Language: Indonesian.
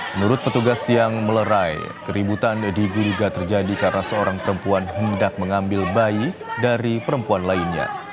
menurut petugas yang melerai keributan diduga terjadi karena seorang perempuan hendak mengambil bayi dari perempuan lainnya